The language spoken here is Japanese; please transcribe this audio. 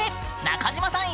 中島さん